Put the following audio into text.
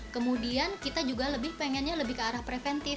kemudian kita juga lebih pengennya lebih ke arah preventif